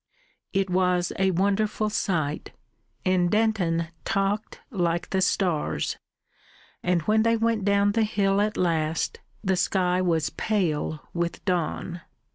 It was a wonderful sight, and Denton talked like the stars, and when they went down the hill at last the sky was pale with dawn.